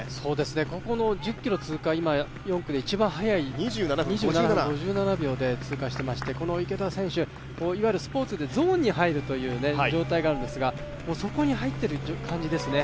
ここの１０ｋｍ通過、一番速い２７分５７秒で通過していまして、この池田選手、スポーツでゾーンに入るという状態があるんですがそこに入っている感じですね。